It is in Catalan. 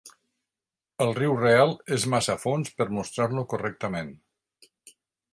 El riu real és massa fons per mostrar-lo correctament.